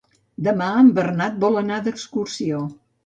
Demà en Bernat vol anar d'excursió.